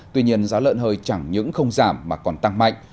tuy nhiên giá lợn hơi chẳng những không giảm mà còn tăng mạnh